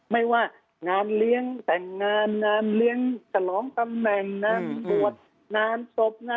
ไม่ว่างานเลี้ยงแต่งงานงานเลี้ยงฉลองตำแหน่งงานบวชงานศพงาน